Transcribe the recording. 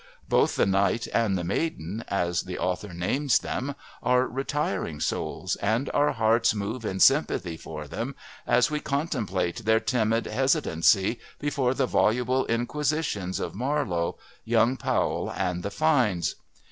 Both the Knight and the Maiden as the author names them are retiring souls, and our hearts move in sympathy for them as we contemplate their timid hesitancy before the voluble inquisitions of Marlowe, young Powell and the Fynes.